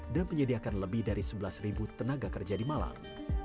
dan menyediakan lebih dari sebelas tenaga kerja di malang